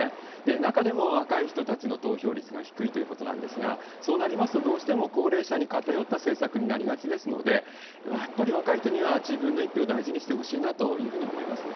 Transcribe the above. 中でも、若い人たちの投票率が低いということなんですが、そうなりますと、どうしても高齢者に偏った政策になりがちですので、やっぱり若い人には自分の一票を大事にしてほしいなと思いますね。